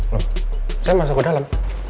loh saya masuk ke dalam